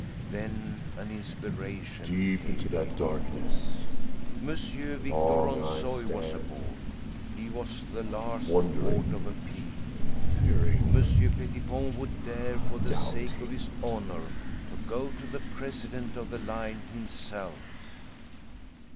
Then an inspiration came to him. M. Victor Ronssoy was aboard; he was the last court of appeal. Monsieur Pettipon would dare, for the sake of his honor, to go to the president of the line himself.